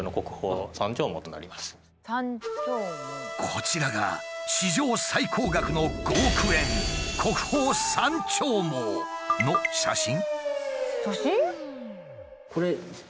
こちらが史上最高額の５億円写真？